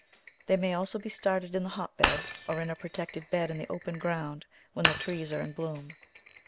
They may also be started in the hotbed, or in a protected bed in the open ground when the trees are in bloom.